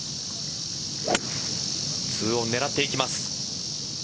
ツーオン狙っていきます。